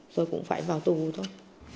rồi cũng phải vào tù thôi